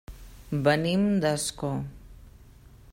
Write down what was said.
Venim d'Ascó.